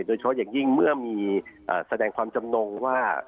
โดยเฉพาะอย่างยิ่งเมื่อมีแสดงความจำนงว่า